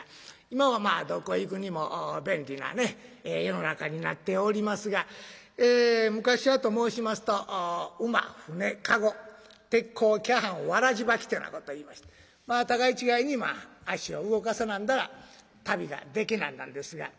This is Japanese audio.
今はどこへ行くにも便利な世の中になっておりますが昔はと申しますと馬船駕籠手っ甲脚絆草鞋ばきっていうようなこといいまして互い違いに足を動かさなんだら旅ができなんなんですが。